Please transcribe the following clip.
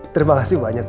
terima kasih banyak